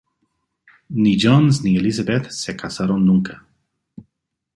Ni Johns, ni Elizabeth se casaron nunca.